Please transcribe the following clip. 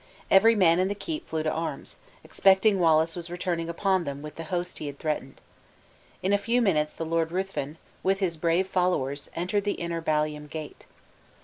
Every man in the keep flew to arms, expecting that Wallace was returning upon them with the host he had threatened. In a few minutes the Lord Ruthven, with his brave followers, entered the inner ballium gate.